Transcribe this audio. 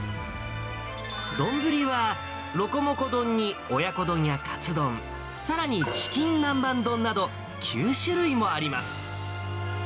丼はロコモコ丼に、親子丼やカツ丼、さらにチキン南蛮丼など、９種類もあります。